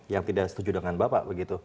yang tidak setuju dengan bapak begitu